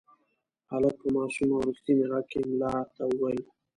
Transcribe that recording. هلک په معصوم او رښتیني غږ کې ملا ته وویل.